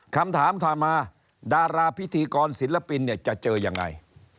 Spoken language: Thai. คำถามถามมาดาราพิธีกรศิลปินจะเจอยังไง